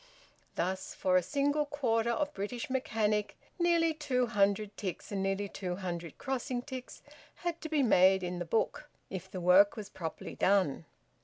Thus, for a single quarter of "British Mechanic" nearly two hundred ticks and nearly two hundred crossing ticks had to be made in the book, if the work was properly done.